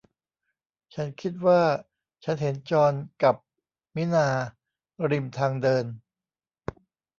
ฉันคิดว่าฉันเห็นจอห์นกับมินาริมทางเดิน